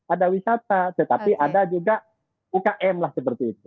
ada wisata tetapi ada juga ukm lah seperti itu